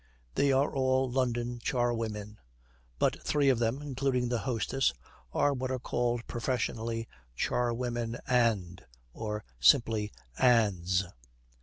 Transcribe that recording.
They are all London charwomen, but three of them, including the hostess, are what are called professionally 'charwomen and' or simply 'ands.'